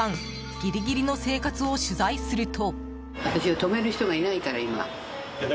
ギリギリの生活を取材すると。